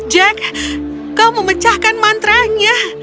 jack kau memecahkan mantra nya